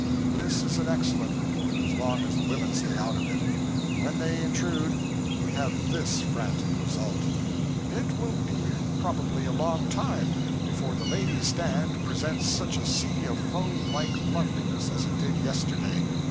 This is an excellent report, as long as the women stay out of it. But when they intrude, we have this frantic result 'It will be probably a long time before the ladies' stand presents such a sea of foam like loveliness as it did yesterday.